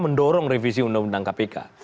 mendorong revisi undang undang kpk